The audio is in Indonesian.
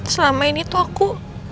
selama ini tuh aku